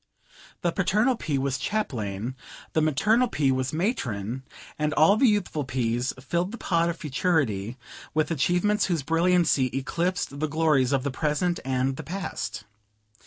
The paternal P. was chaplain, the maternal P. was matron, and all the youthful P.s filled the pod of futurity with achievements whose brilliancy eclipsed the glories of the present and the past.